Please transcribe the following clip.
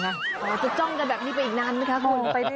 จะจ้องกันแบบนี้ไปอีกนานไหมคะคุณ